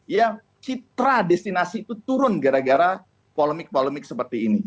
ya citra destinasi itu turun gara gara polemik polemik seperti ini